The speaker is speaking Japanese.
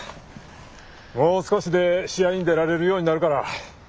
もう少しで試合に出られるようになるから。